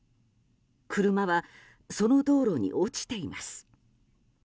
車はその道路に落ちています。